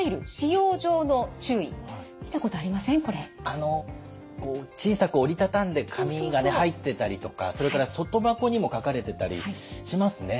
あの小さく折り畳んで紙がね入ってたりとかそれから外箱にも書かれてたりしますね。